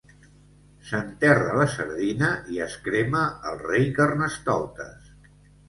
S'enterra la sardina i es crema el rei Carnestoltes.